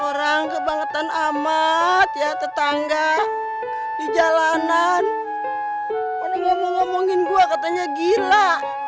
orang kebangetan amat ya tetangga di jalanan ini ngomong ngomongin gue katanya gila